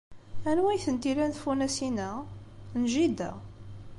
Anwa ay tent-ilan tfunasin-a? N jida.